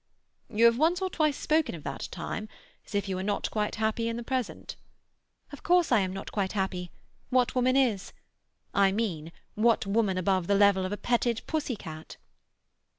"You have once or twice spoken of that time as if you were not quite happy in the present." "Of course I am not quite happy. What woman is? I mean, what woman above the level of a petted pussy cat?"